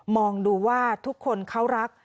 องดูว่าทุกคนเขารัก